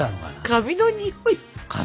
紙のにおいだよ！